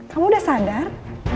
kamu udah sadar